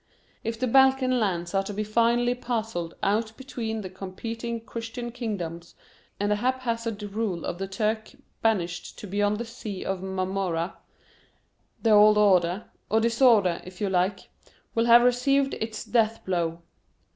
If the Balkan lands are to be finally parcelled out between the competing Christian Kingdoms and the haphazard rule of the Turk banished to beyond the Sea of Marmora, the old order, or disorder if you like, will have received its death blow.